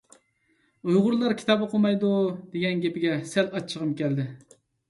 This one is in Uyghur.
«ئۇيغۇرلار كىتاب ئوقۇمايدۇ» دېگەن گېپىگە سەل ئاچچىقىم كەلدى.